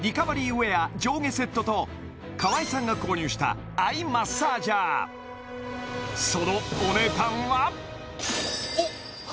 ウェア上下セットと河合さんが購入したアイマッサージャーそのお値段はおっ！